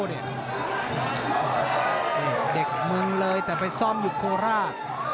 เด็กมึงเลยแต่ไปซ่อมอยู่โคราช